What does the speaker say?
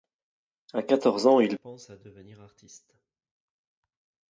A quatorze ans il pense à devenir artiste.